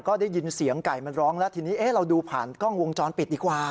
ก็ได้ยินเสียงไก่มันร้องแล้วทีนี้เราดูผ่านกล้องวงจรปิดดีกว่า